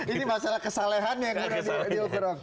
ini masalah kesalahannya yang diukur